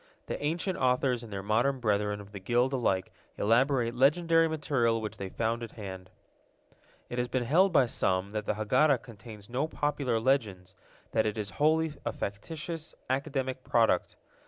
The ancient authors and their modern brethren of the guild alike elaborate legendary material which they found at hand. It has been held by some that the Haggadah contains no popular legends, that it is wholly a factitious, academic product.